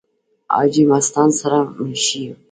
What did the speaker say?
حاجې مستعان سره منشي وو ۔